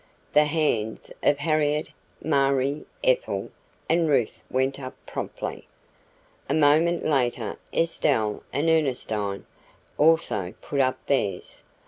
The hands of Harriet, Marie, Ethel, and Ruth went up promptly. A moment later Estelle and Ernestine also put up theirs.